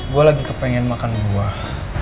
gue lagi kepengen makan buah